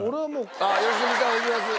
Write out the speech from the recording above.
あっ良純さんはいきます？